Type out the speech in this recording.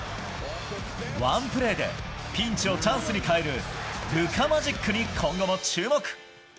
ワンプレーでピンチをチャンスに変えるルカマジックに今後も注目。